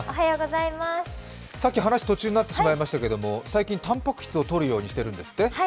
さっき話が途中になってしまいましたけど、最近、たんぱく質をとるようにしてるんですって？